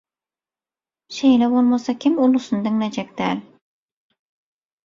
Şeýle bolmasa kim ulusyny diňlejek däl?!